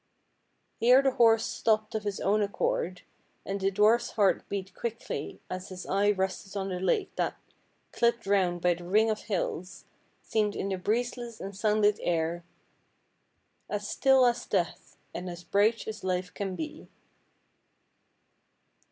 Here the horse stopped of his own accord, and the dwarfs heart beat quickly as his eye rested on the lake, that, clipped round by the ring of hills, seemed in the breezeless and sunlit air "As still as death. And as bright as life can be."